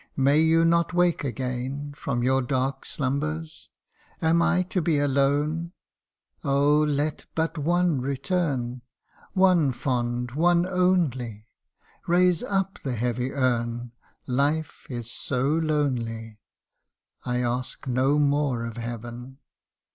May you not wake again CANTO I. 15 From your dark slumbers ? Am I to be alone ? Oh ! let but one return One fond one only ; Raise up the heavy urn, Life is so lonely I ask no more of Heaven.